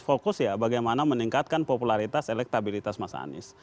fokus ya bagaimana meningkatkan popularitas elektabilitas mas anies